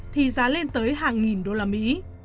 thì giá lên tới hàng nghìn đô la mỹ